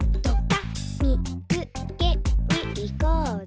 「みつけにいこうぜ」